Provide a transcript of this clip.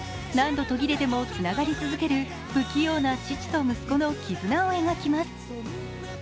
何度途切れてもつながり続ける不器用な父と息子の絆を描きます。